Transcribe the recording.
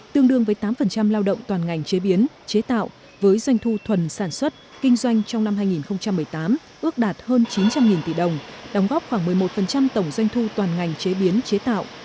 tương đương với tám lao động toàn ngành chế biến chế tạo với doanh thu thuần sản xuất kinh doanh trong năm hai nghìn một mươi tám ước đạt hơn chín trăm linh tỷ đồng đóng góp khoảng một mươi một tổng doanh thu toàn ngành chế biến chế tạo